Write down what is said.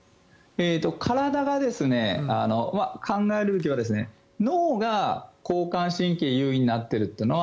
体が考える時は脳が交感神経優位になっているというのは